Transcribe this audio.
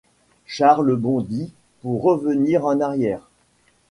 Charles bondit pour revenir en arrière.